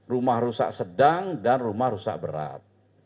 rumah rusak sedang dan rumah rusak berat